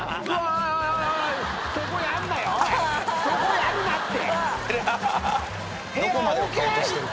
そこやるなって。